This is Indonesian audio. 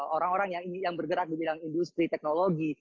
orang orang yang bergerak di bidang industri teknologi